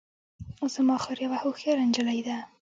زما خور یوه هوښیاره نجلۍ ده